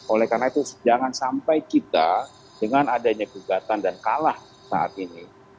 oleh karena itu jangan sampai kita dengan adanya gugatan dan kalah saat ini